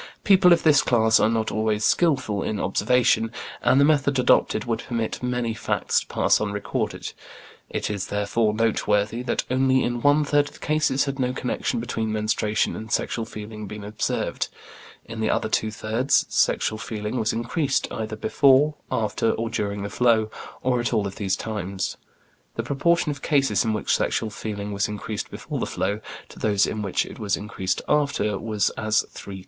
People of this class are not always skilful in observation, and the method adopted would permit many facts to pass unrecorded; it is, therefore, noteworthy that only in one third of the cases had no connection between menstruation and sexual feeling been observed; in the other two thirds, sexual feeling was increased, either before, after, or during the flow, or at all of these times; the proportion of cases in which sexual feeling was increased before the flow, to those in which it was increased after, was as three to two.